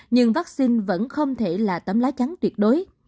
nhưng vaccine vẫn không thể là tấm lá chắn tuyệt đối